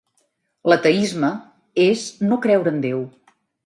L'ateisme és no creure en Déu...